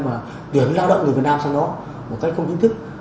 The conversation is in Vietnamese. và tuyển lao động người việt nam sang đó một cách không chính thức